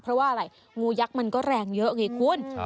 เพราะว่าอะไรงูยักษ์มันก็แรงเยอะไงคุณ